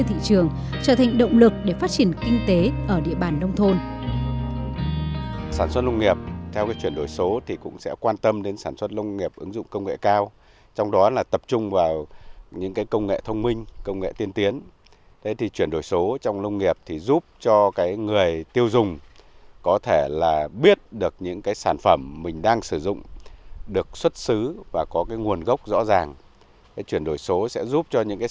trở thành động lực để phát triển kinh tế ở địa bàn nông thôn